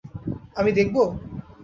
আমি দেখবো?